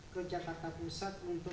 ke jakarta pusat untuk